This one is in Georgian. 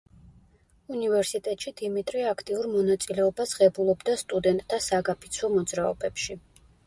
უნივერსიტეტში დიმიტრი აქტიურ მონაწილეობას ღებულობდა სტუდენტთა საგაფიცვო მოძრაობებში.